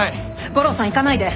悟郎さん行かないで！